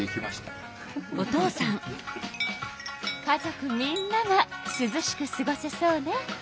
家族みんながすずしくすごせそうね。